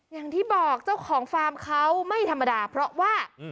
อย่างที่บอกเจ้าของฟาร์มเขาไม่ธรรมดาเพราะว่า